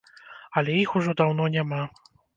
Але іх ужо даўно няма.